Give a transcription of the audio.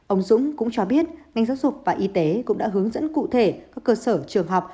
ông dũng cũng cho biết ngành giáo dục và y tế cũng đã hướng dẫn cụ thể các cơ sở trường học